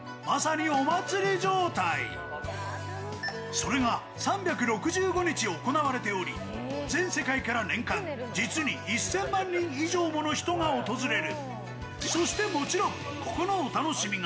それが３６５日行われており、全世界から年間実に１０００万人以上もの人が訪れる。